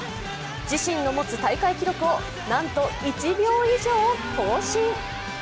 自身の持つ大会記録をなんと１秒以上更新。